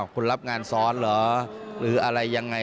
คุณรับงานซ้อนเหรอหรืออะไรยังไง